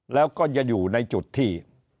แล้วก็จะอยู่ในจุดที่